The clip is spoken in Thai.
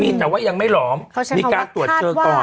มีแต่ว่ายังไม่หลอมมีการตรวจเชิงก่อน